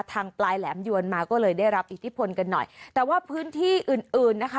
ทางปลายแหลมยวนมาก็เลยได้รับอิทธิพลกันหน่อยแต่ว่าพื้นที่อื่นอื่นนะคะ